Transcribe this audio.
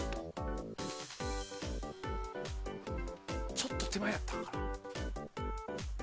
ちょっと手前やったかな。